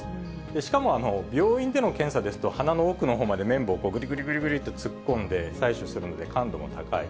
しかも病院での検査ですと、鼻の奥の方まで、綿棒、こう、ぐりぐりぐりぐりって突っ込んで採取するんで、感度も高い。